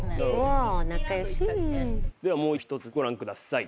ではもう一つご覧ください。